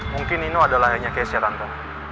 mungkin nino adalah ayahnya keisha tante